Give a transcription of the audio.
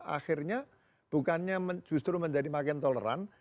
akhirnya bukannya justru menjadi makin toleran